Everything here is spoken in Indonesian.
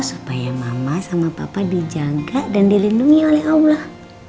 supaya mama sama papa dijaga dan dilindungi oleh allah